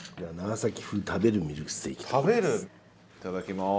いただきます。